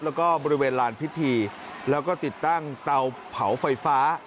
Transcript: แล้วก็บริเวณลานพิธีแล้วก็ติดตั้งเตาเผาไฟฟ้า